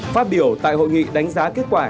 phát biểu tại hội nghị đánh giá kết quả